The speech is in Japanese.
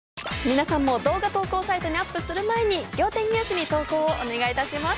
皆さんも動画投稿サイトにアップする前に『仰天ニュース』に投稿をお願いいたします。